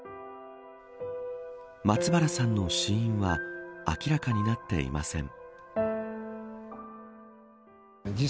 松原さんの死因は明らかになっていません。